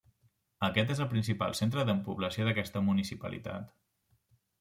Aquest és el principal centre de població d'aquesta municipalitat.